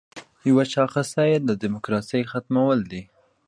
یوه شاخصه یې د دیموکراسۍ ختمول دي.